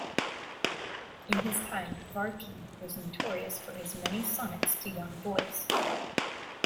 In his time Varchi was notorious for his many sonnets to young boys.